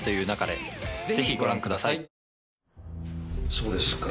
そうですか。